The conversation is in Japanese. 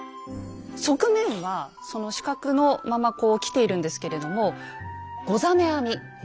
側面はその四角のままこうきているんですけれども「ござ目編み」